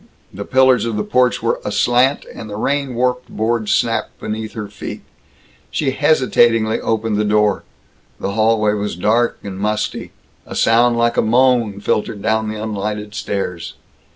The pillars of the porch were aslant, and the rain warped boards snapped beneath her feet. She hesitatingly opened the door. The hallway was dark and musty. A sound like a moan filtered down the unlighted stairs.